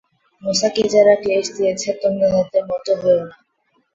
মূসাকে যারা ক্লেশ দিয়েছে, তোমরা তাদের মত হয়ো না।